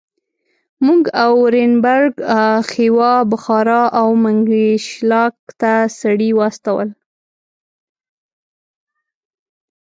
موږ اورینبرګ، خیوا، بخارا او منګیشلاک ته سړي واستول.